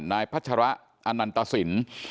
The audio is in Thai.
พัชระอนันตสิน